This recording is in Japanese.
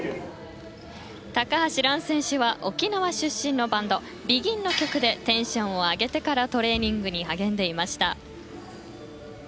高橋藍選手は沖縄出身のバンドＢＥＧＩＮの曲でテンションを上げてからトレーニングに励んでいました。